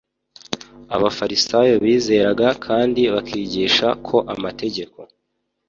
abafarisayo bizeraga kandi bakigisha ko amategeko